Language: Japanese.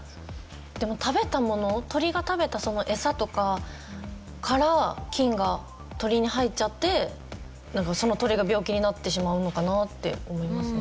でも食べたもの鳥が食べたエサとかから菌が鳥に入っちゃって鳥が病気になってしまうのかなって思いますね。